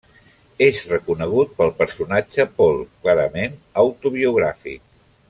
És reconegut pel personatge Paul, clarament autobiogràfic.